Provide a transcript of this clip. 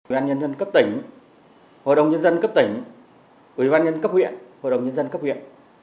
ủy ban nhân dân cấp tỉnh hội đồng nhân dân cấp tỉnh ủy ban nhân cấp huyện hội đồng nhân dân cấp huyện